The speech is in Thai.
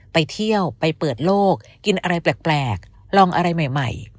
ไปเที่ยวไปเปิดโลกกินอะไรแปลกลองอะไรใหม่